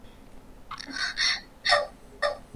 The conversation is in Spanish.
Se introdujo la legislación de la iglesia sueca.